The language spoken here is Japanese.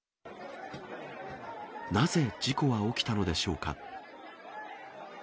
なぜ事故は起きたのでしょうか。